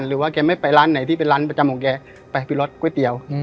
แกไม่ไปร้านไหนที่เป็นร้านประจำของแกไปพี่รถก๋วยเตี๋ยว